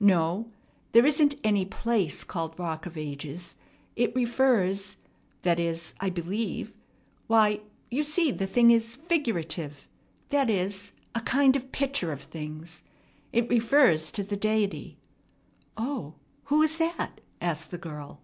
No, there isn't any place called Rock of Ages. It refers that is, I believe why, you see the thing is figurative that is, a kind of picture of things. It refers to the Deity." "O! Who is that?" asked the girt.